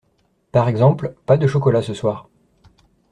Par exemple, pas de chocolat ce soir.